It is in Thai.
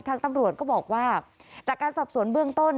ทางตำรวจก็บอกว่าจากการสอบสวนเบื้องต้น